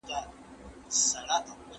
ایا نوي کروندګر وچ زردالو پلوري؟